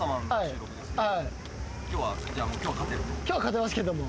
今日は勝てますけども。